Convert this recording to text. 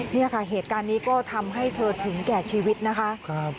เนี่ยค่ะเหตุการณ์นี้ก็ทำให้เธอถึงแก่ชีวิตนะคะ